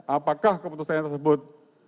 apakah keputusan tersebut